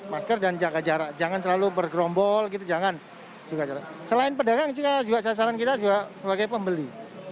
masker dan jaga jarak jangan cair bergrombol gitu jangan selain pedagang juga sasaran kita juga sebagai pembeli